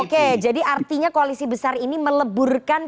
oke jadi artinya koalisi besar ini kan masih terikat tanda tangan dengan kip